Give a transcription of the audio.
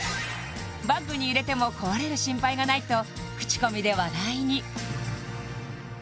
バッグに入れても壊れる心配がないと口コミで話題に！